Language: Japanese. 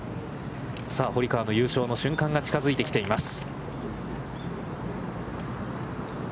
さあ、堀川の優勝の瞬間が近づいてきています。